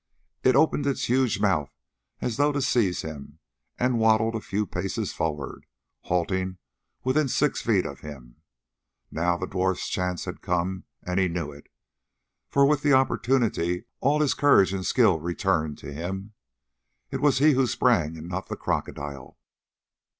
It opened its huge mouth as though to seize him and waddled a few paces forward, halting within six feet of him. Now the dwarf's chance had come and he knew it, for with the opportunity all his courage and skill returned to him. It was he who sprang and not the crocodile.